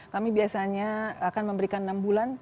kami biasanya akan memberikan enam bulan